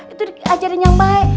itu diajarin yang baik